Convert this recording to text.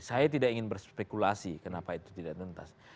saya tidak ingin berspekulasi kenapa itu tidak tuntas